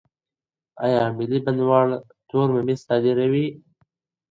ایا ملي بڼوال تور ممیز صادروي؟